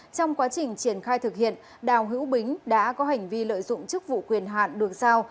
trong quá trình triển khai thực hiện đào hữu bính đã có hành vi lợi dụng chức vụ quyền hạn được sao